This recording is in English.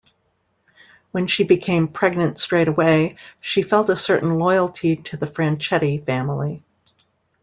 When she became pregnant straightaway, she felt a certain loyalty to the Franchetti Family.